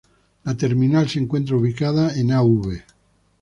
La Terminal se encuentra ubicada en Av.